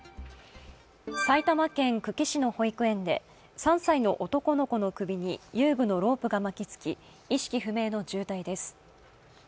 埼玉県久喜市の保育園で３歳の男の子の首に遊具のロープが巻きつき意識不明の重体です。